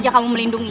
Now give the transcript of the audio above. tidak kuat lagi